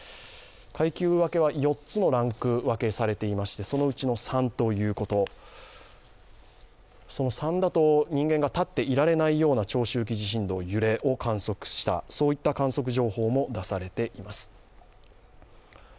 階級分けは４つにランク分けされていまして、そのうちの３ということ３だと人間が立っていられないような長周期地震動、揺れを観測した、そういった観測情報も出されています。